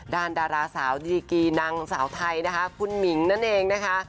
ดาราสาวดีกีนางสาวไทยนะคะคุณหมิงนั่นเองนะคะ